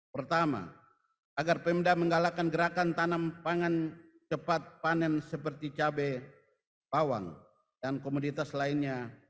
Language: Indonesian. pertama agar pemda menggalakkan gerakan tanam pangan cepat panen seperti cabai bawang dan komoditas lainnya